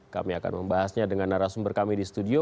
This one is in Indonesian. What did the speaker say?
kami akan membahasnya dengan narasumber kami di studio